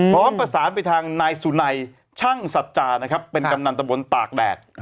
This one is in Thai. พร้อมประสานไปทางนายสุนัยช่างสัจจานะครับเป็นกำนันตะบนตากแดด